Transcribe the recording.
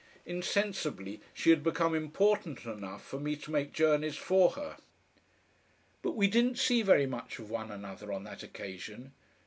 Insensibly she had become important enough for me to make journeys for her. But we didn't see very much of one another on that occasion.